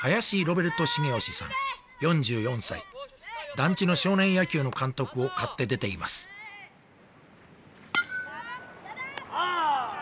団地の少年野球の監督を買って出ています・そう！